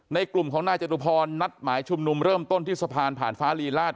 กลุ่มของนายจตุพรนัดหมายชุมนุมเริ่มต้นที่สะพานผ่านฟ้าลีลาศ